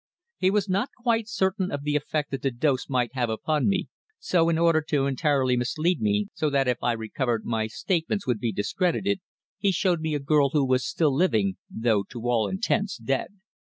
"He was not quite certain of the effect that the dose might have upon me, so in order to entirely mislead me, so that if I recovered my statements would be discredited, he showed me a girl who was still living, though to all intents dead.